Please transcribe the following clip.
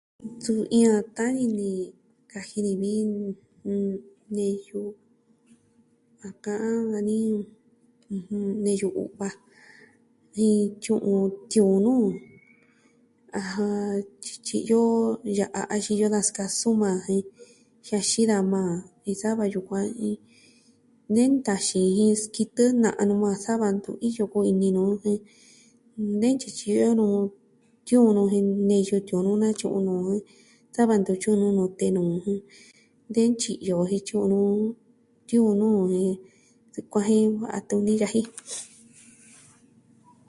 Suu iyo a ta'an ini ni, kaji ni vi neyu a ka'an dani neyu u'va jen tyu'un tiuun nu, ajan, tyityi'yo ya'a axin iyo daja sikasun majan jen jiaxin daja majan jen sa va yukuan nɨntaxin jen sikitɨ na'a nu majan sava ntu iyo kuvi ini nu de nɨntyityi'yo nu tiuun nu jen neyu tiuun nu natyu'un nu jen, sa va ntu tyu'un nu nute nuu jun de ntyi'yo jen tyu'un nu tiuun nu jen sikuajin a tun ni yaji.